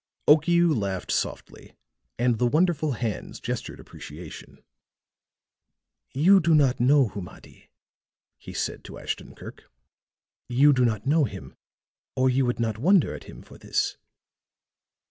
Okiu laughed softly, and the wonderful hands gestured appreciation. "You do not know Humadi," he said to Ashton Kirk; "you do not know him, or you would not wonder at him for this.